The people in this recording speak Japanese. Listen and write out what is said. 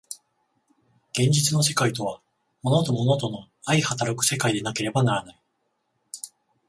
現実の世界とは物と物との相働く世界でなければならない。